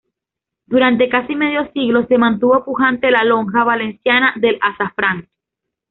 Durante casi medio siglo se mantuvo pujante la lonja valenciana del azafrán.